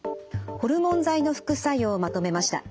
ホルモン剤の副作用をまとめました。